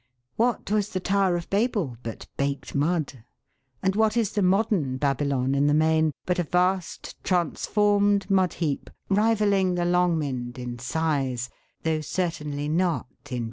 What was the Tower of Babel but baked mud ? And what is the " modern Babylon " in the main, but a vast transformed mud heap, rivalling the Longmynd in size, though certainly not in beauty